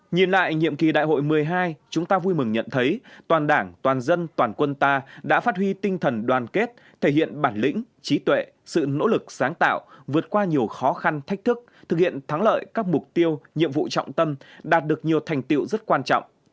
nhìn lại nhiệm kỳ đại hội một mươi hai chúng ta vui mừng nhận thấy toàn đảng toàn dân toàn quân ta đã phát huy tinh thần đoàn kết thể hiện bản lĩnh trí tuệ sự nỗ lực sáng tạo vượt qua nhiều khó khăn thách thức thực hiện thắng lợi các mục tiêu nhiệm vụ trọng tâm đạt được nhiều thành tiệu rất quan trọng